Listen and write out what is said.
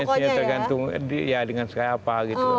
audiensnya tergantung ya dengan sekaya apa gitu